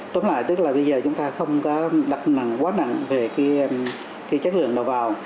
tóm lại tức là bây giờ chúng ta không có đặt nặng quá nặng về chất lượng đầu vào